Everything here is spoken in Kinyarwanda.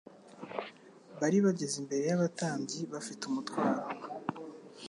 Bari bageze imbere y'abatambyi bafite umutwaro :